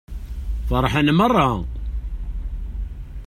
Feṛḥen meṛṛa.